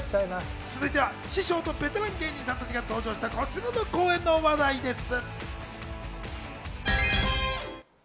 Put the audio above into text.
続いては、師匠とベテラン芸人さんが登場したこちらの公演の話題です。